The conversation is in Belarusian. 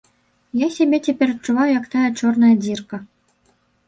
Я сябе цяпер адчуваю як тая чорная дзірка.